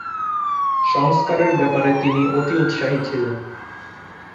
সংস্কারের ব্যাপারে তিনি অতি উৎসাহী ছিলেন।